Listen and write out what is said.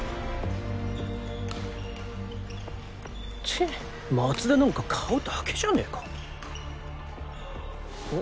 チッ松田なんか顔だけじゃねか。